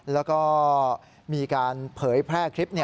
แล้วก็มีการเผยแพร่คลิป